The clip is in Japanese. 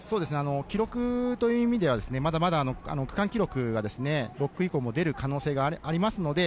記録という意味ではまだ区間記録が６区以降もでる可能性があります。